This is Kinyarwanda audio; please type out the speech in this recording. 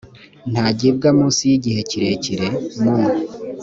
ntagibwa munsi y igihe kirekire mu